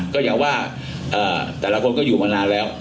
ก็อย่าว่าแต่ละคนก็อยู่มานานแล้ว